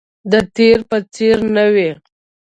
د تیر په څیر نه وي